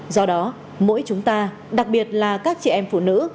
do đó mỗi chúng ta đặc biệt là các chị em phụ nữ